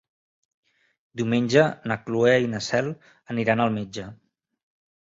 Diumenge na Cloè i na Cel aniran al metge.